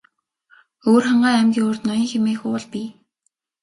Өвөрхангай аймгийн урд Ноён хэмээх уул бий.